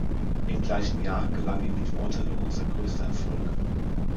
Im gleichen Jahr gelang ihm mit "Waterloo" sein größter Erfolg.